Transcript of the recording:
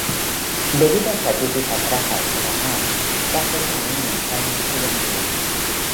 Debido a su atípica traza ortogonal da forma a una manzana triangular.